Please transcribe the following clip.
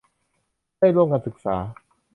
ได้ร่วมกันศึกษา